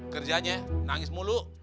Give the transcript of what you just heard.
kerjanya nangis mulu